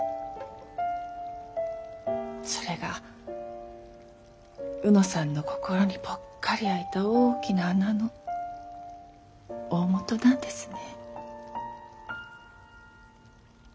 それが卯之さんの心にぽっかり空いた大きな穴の大本なんですね。